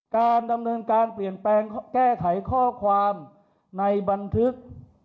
การดำเนินการเปลี่ยนแปลงแก้ไขข้อความในบันทึก